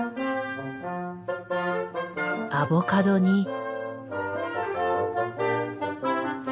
アボカドに。